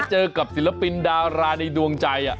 เจอกับศิลปินดาราในดวงใจ